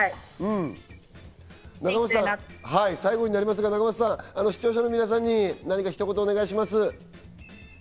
最後になりますが仲舛さん、視聴者の皆さんにひと言お願いします。